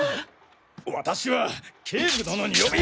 わたしは警部殿に呼び。